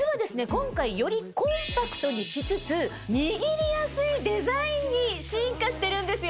今回よりコンパクトにしつつ握りやすいデザインに進化してるんですよ。